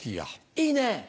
いいね。